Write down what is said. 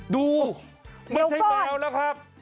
ดูไม่ใช่แมวแล้วครับ